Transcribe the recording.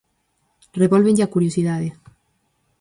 Revólvenlle a curiosidade;